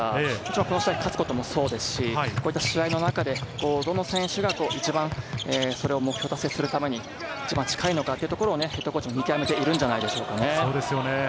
この試合に勝つこともそうですし、試合の中でどの選手が一番その目標を達成するために一番近いのかをＨＣも見極めているんじゃないでしょうかね。